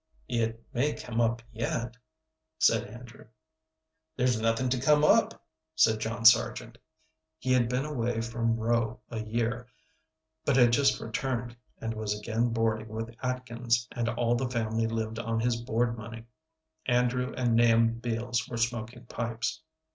"It may come up yet," said Andrew. "There's nothing to come up," said John Sargent. He had been away from Rowe a year, but had just returned, and was again boarding with Atkins, and all the family lived on his board money. Andrew and Nahum Beals were smoking pipes.